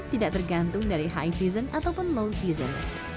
tidak tergantung dari high season ataupun low season